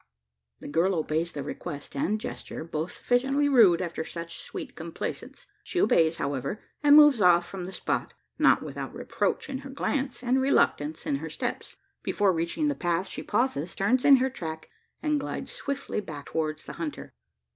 The girl obeys the request and gesture both sufficiently rude after such sweet complaisance. She obeys, however; and moves off from the spot not without reproach in her glance, and reluctance in her steps. Before reaching the path she pauses, turns in her track, and glides swiftly back towards the hunter.